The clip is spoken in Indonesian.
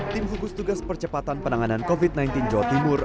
tim hugus tugas percepatan penanganan covid sembilan belas jawa timur